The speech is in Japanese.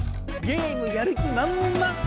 ゲームやる気まんまん。